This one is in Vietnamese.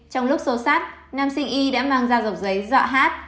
trong lúc xô sát nam sinh y đã mang ra dọc giấy dọa hát